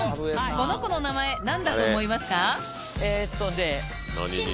この子の名前何だと思いますか？